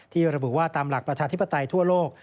ระบุว่าตามหลักประชาธิปไตยทั่วโลก